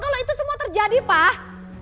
kalau itu semua terjadi pak